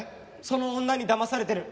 その女にだまされてる。